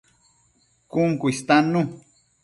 Cun cu istannu